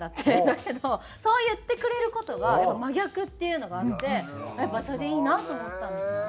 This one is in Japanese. だけどそう言ってくれる事が真逆っていうのがあってやっぱそれでいいなと思ったんですよね。